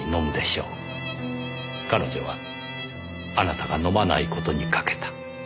彼女はあなたが飲まない事に賭けた。